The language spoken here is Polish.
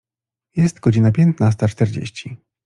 Jest godzina piętnasta czterdzieści.